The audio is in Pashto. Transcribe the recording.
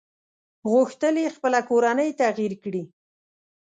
غوښتل يې خپله کورنۍ تغيير کړي.